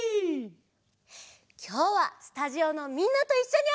きょうはスタジオのみんなといっしょにあそぶよ！